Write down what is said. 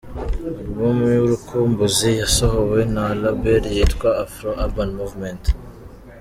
Album ’Urukumbuzi’ yasohowe na label yitwa Afro Urban Movement.